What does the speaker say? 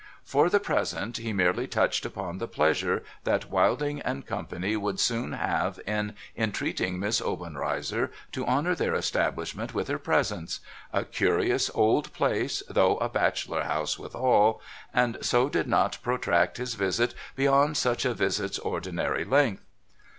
For the present, he merely touched upon the pleasure that Wilding and Co. would soon have in entreating Miss Obenreizer to honour their establishment with her presence — a curious old place, though a bachelor house withal — and so did not protract his visit beyond such a visit's ordinary length.